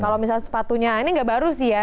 kalau misalnya sepatunya ini nggak baru sih ya